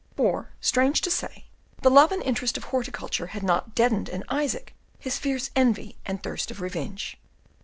For, strange to say, the love and interest of horticulture had not deadened in Isaac his fierce envy and thirst of revenge.